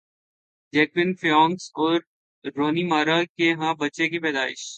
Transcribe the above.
Joaquin Phoenix اور Rooney Mara کے ہاں بچے کی پیدائش